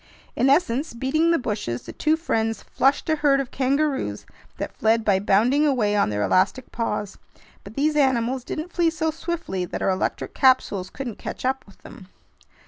In essence, beating the bushes, the two friends flushed a herd of kangaroos that fled by bounding away on their elastic paws. But these animals didn't flee so swiftly that our electric capsules couldn't catch up with them.